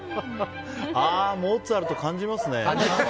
ああ、モーツァルト感じますね。